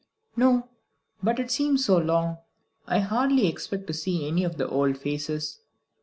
"No; but it seems so long. I hardly expect to see any of the old faces.